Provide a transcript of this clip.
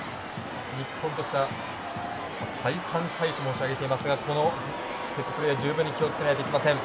日本としては再三再四申し上げておりますがこのセットプレーは、十分気をつけなければなりません。